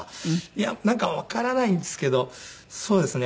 いやなんかわからないんですけどそうですね。